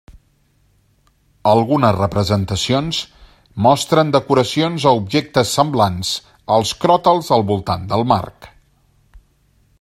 Algunes representacions mostren decoracions o objectes semblants als cròtals al voltant del marc.